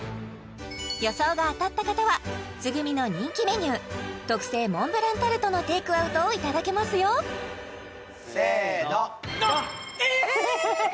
予想が当たった方は鶫−Ｔｓｕｇｕｍｉ−の人気メニュー特製モンブランタルトのテイクアウトをいただけますよせーのドンえーっ？